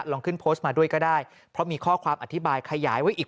ลองขึ้นโพสต์มาด้วยก็ได้เพราะมีข้อความอธิบายขยายไว้อีก